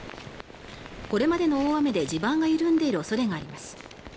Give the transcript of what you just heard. これまでの大雨で地盤が緩んでいる恐れがあります。